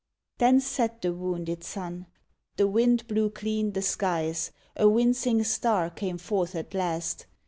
Then set the woimded sun. The wind blew clean The skies. A wincing star came forth at last.